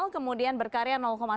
kemudian berkarya satu